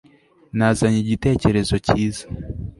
Nazanye igitekerezo cyiza